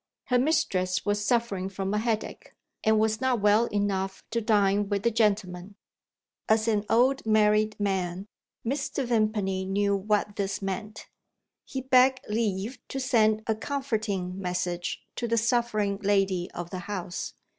Her mistress was suffering from a headache, and was not well enough to dine with the gentlemen. As an old married man, Mr. Vimpany knew what this meant; he begged leave to send a comforting message to the suffering lady of the house.